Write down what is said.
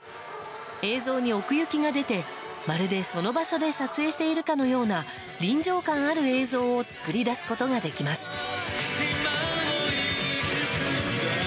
映像に奥行きが出てまるでその場所で撮影しているかのような臨場感ある映像を作り出すことができます。